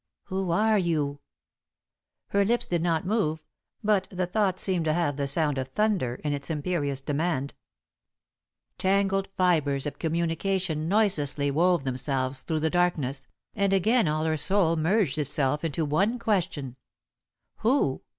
"Who are you?" Her lips did not move, but the thought seemed to have the sound of thunder in its imperious demand. Tangled fibres of communication noiselessly wove themselves through the darkness, and again all her soul merged itself into one question "Who?